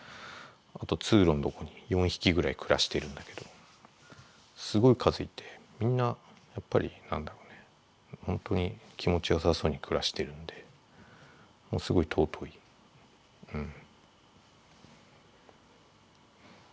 あと通路のとこに４匹ぐらい暮らしてるんだけどすごい数いてみんなやっぱり何だろうねほんとに気持ちよさそうに暮らしてるんですごい尊いうん。